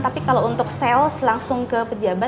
tapi kalau untuk pameran pameran masih belum mbak desy saya rasakan